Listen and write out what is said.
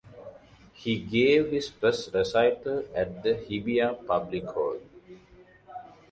He gave his first recital at the Hibiya Public Hall.